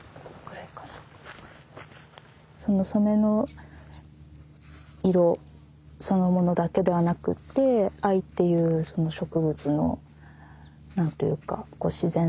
その染めの色そのものだけではなくって藍っていうその植物の何て言うかこう自然の営み